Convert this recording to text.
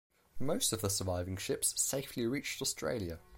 Most of the surviving ships safely reached Australia.